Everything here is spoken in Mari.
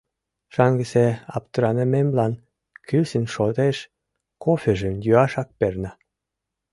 Шаҥгысе аптыранымемлан кӱсын шотеш кофежым йӱашак перна.